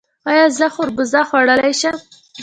ایا زه خربوزه خوړلی شم؟